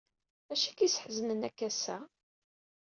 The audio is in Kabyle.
Acu i k-yesḥeznen akka assa?